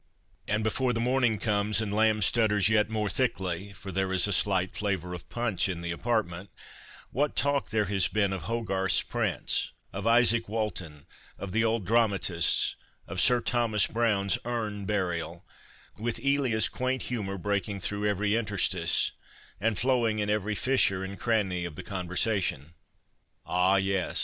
And before the morning comes, and Lamb stutters yet more thickly — for there is a slight flavour of punch in the apartment — what talk there has been of Hogarth's prints, of Izaak Walton, of the old dramatists, of Sir Thomas Browne's Urn Burial, with Elia's quaint humour breaking through every interstice, and flow ing in every fissure and cranny of the conversation.' Ah, yes